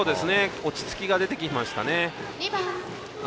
落ち着きが出てきましたね。